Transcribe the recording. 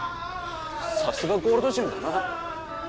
さすがゴールドジムだな。